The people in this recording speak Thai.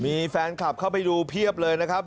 มีแฟนคลับเข้าไปดูเพียบเลยนะครับ